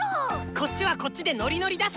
こっちはこっちでノリノリだし。